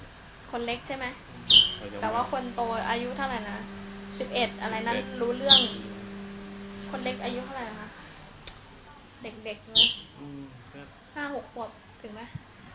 เด็กนี่๕๖ขวบถึงไหม